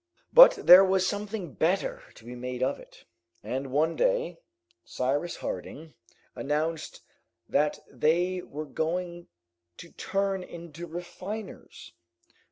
But there was something better to be made of it, and one day Cyrus Harding announced that they were going to turn into refiners.